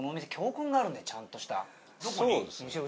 ちゃんとした。